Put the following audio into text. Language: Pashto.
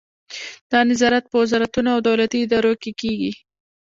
دا نظارت په وزارتونو او دولتي ادارو کې کیږي.